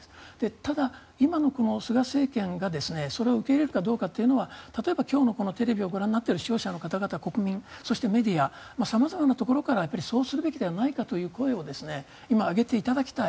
ただ、今の菅政権がそれを受け入れるかどうかは例えば、今日このテレビをご覧になっている視聴者の方々国民、そしてメディア様々なところからそうするべきではないかという声を今上げていただきたい。